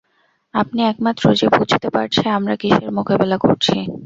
আপনিই একমাত্র যে বুঝতে পারছে আমরা কিসের মোকাবেলা করছি।